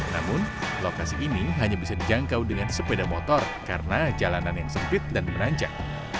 namun lokasi ini hanya bisa dijangkau dengan sepeda motor karena jalanan yang sempit dan menanjak